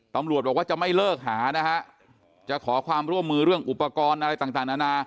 ตำรวจบอกว่าจะไม่เลิกหานะฮะจะขอความร่วมมือเรื่องอุปกรณ์อะไรต่างนานา